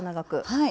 はい。